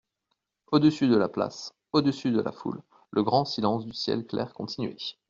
Au-dessus de la place, au-dessus de la foule, le grand silence du ciel clair continuait.